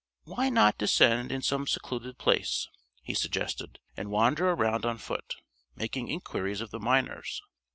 "Why not descend in some secluded place," he suggested, "and wander around on foot, making inquiries of the miners.